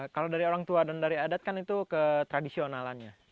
kalau dari orang tua dan dari adat kan itu ke tradisionalannya